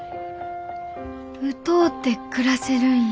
歌うて暮らせるんや。